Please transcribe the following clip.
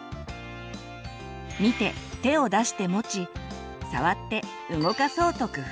見て手を出して持ち触って動かそうと工夫する。